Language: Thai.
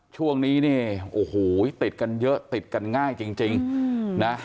ช่วงนี้เนี่ยโอ้โหติดกันเยอะติดกันง่ายจริงนะ